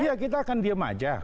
iya kita akan diam saja